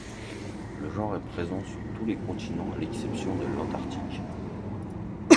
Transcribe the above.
Le genre est présent sur tous les continents à l'exception de l'Antarctique.